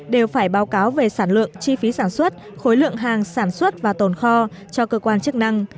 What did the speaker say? đều phải báo cáo về sản lượng chi phí sản xuất khối lượng hàng sản xuất và tồn kho cho cơ quan chức năng